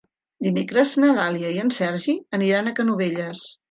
Dimecres na Dàlia i en Sergi aniran a Canovelles.